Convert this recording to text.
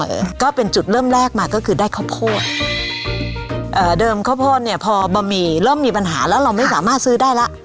เออก็เป็นจุดเริ่มแรกมาก็คือได้ข้าวโพดเอ่อเดิมข้าวโพดเนี้ยพอบะหมี่เริ่มมีปัญหาแล้วเราไม่สามารถซื้อได้แล้ว